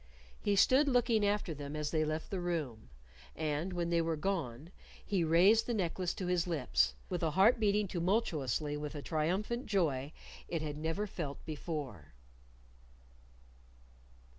He stood looking after them as they left the room, and when they were gone, he raised the necklace to his lips with a heart beating tumultuously with a triumphant joy it had never felt before.